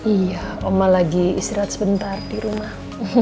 iya oma lagi istirahat sebentar di rumah